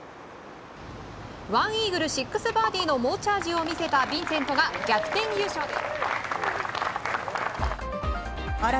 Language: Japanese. １イーグル６バーディーの猛チャージを見せたビンセントが逆転優勝です。